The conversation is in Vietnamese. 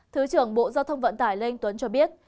thứ trưởng bộ giao thông vận tải lê anh tuấn cho biết